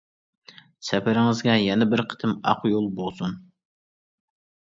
سەپىرىڭىزگە يەنە بىر قېتىم ئاق يول بولسۇن!